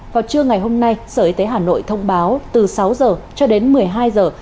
vào trưa ngày hôm nay sở y tế hà nội thông báo từ sáu giờ cho đến một mươi hai giờ